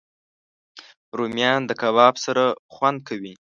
رومیان د کباب سره خوند کوي